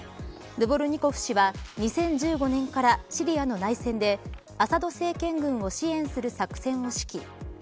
ドゥボルニコフ氏は２０１５年からシリアの内戦で、アサド政権軍を支援する作戦を指揮。